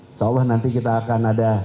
insya allah nanti kita akan ada